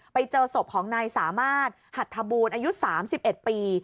ไปเจอศพของนายสามารถหัทธบูรณ์อายุ๓๑ปี